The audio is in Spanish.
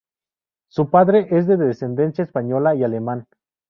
Su padre es de descendencia española y alemán.